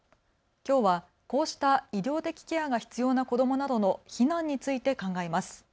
きょうはこうした医療的ケアが必要な子どもなどの避難について考えます。